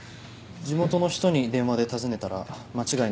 地元の人に電話で尋ねたら間違いなかったです。